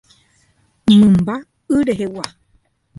Mymba y rehegua